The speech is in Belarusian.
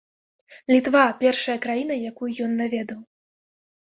Літва першая краіна, якую ён наведаў.